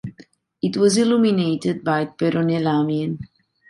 It was illuminated by Peronet Lamy.